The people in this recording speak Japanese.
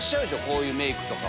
こういうメイク。